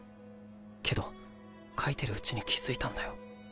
けど描いてるうちに気付いたんだよ。